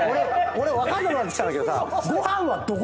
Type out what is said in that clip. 俺分かんなくなってきたんだけど。